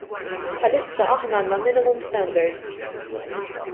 Bħalissa aħna għandna minimum standards.